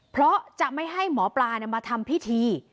เพราะจะไม่ให้หมอปลามาทำพิธี